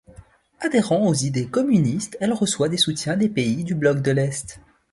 Adhérant aux idées communistes, elle reçoit des soutiens des pays du bloc de l’Est.